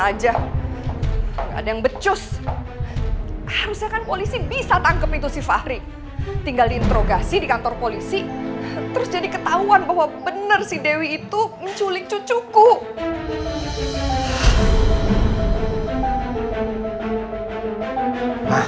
aje nggak ada yang becus harusnya kan polisi bisa tangkep itu si fahri tinggal liérer simpulkan di kantor polisi terus jadi ketahuan bahwa bener si dewi itu tak ada makanan yang ada lebih jati ada hal beras pada peluang